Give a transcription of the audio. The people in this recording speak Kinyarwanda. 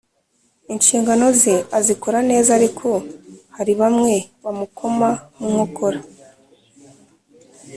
inshingano ze azikora neza ariko hari bamwe bamukoma mu nkokora